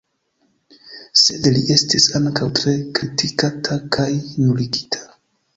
Sed li estis ankaŭ tre kritikata kaj nuligita.